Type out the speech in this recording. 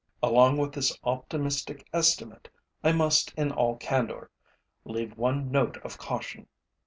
Along with this optimistic estimate, I must in all candor leave one note of caution.